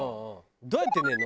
どうやって寝るの？